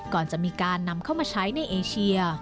ก่อนจะมีการนำเข้ามาใช้ในเอเชีย